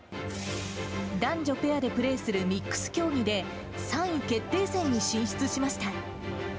男女ペアでプレーするミックス競技で、３位決定戦に進出しました。